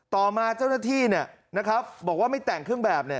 ต่อมาเจ้าหน้าที่บอกว่าไม่แต่งเครื่องแบบ